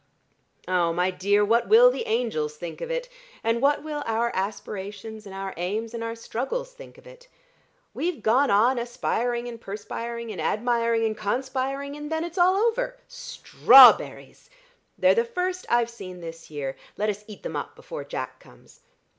Oh, my dear, what will the angels think of it, and what will our aspirations and our aims and our struggles think of it? We've gone on aspiring and perspiring and admiring and conspiring, and then it's all over. Strawberries! They're the first I've seen this year; let us eat them up before Jack comes.